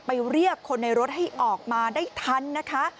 เรียกคนในรถให้ออกมาได้ทันนะคะ